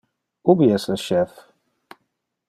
Ubi es le chef?